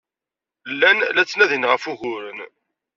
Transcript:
Llan la ttnadin ɣef wuguren.